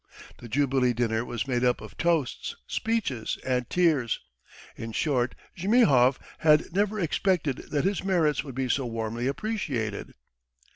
The jubilee dinner was made up of toasts, speeches, and tears. In short, Zhmyhov had never expected that his merits would be so warmly appreciated.